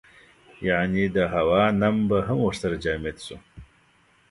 یعنې د هوا نم به هم ورسره جامد شو.